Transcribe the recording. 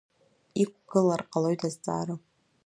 Иқәгылар ҟалоит азҵаара…